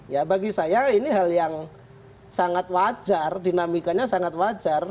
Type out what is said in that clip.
ya bagi saya ini hal yang sangat wajar dinamikanya sangat wajar